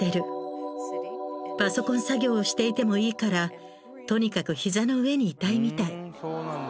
パソコン作業をしていてもいいからとにかく膝の上にいたいみたい。